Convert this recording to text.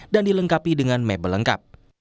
dan dilengkapi dengan mebel lengkap